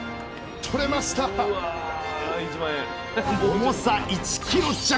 重さ１ｋｇ弱。